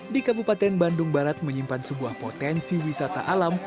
di kabupaten bandung barat menyimpan sebuah potensi wisata alam